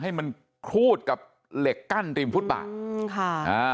ให้มันคูถกับเหล็กกั้นตีมพุทธบาค่ะ